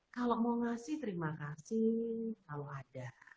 kalau mau ngasih terima kasih kalau ada